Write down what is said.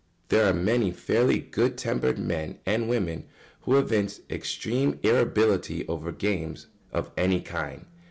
] There are many fairly good tempered men (and women) who evince extreme irritability over games of any kind.